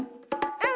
うん。